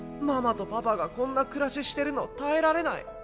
ママとパパがこんな暮らししてるの耐えられない。